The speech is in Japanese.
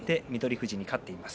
富士に勝っています。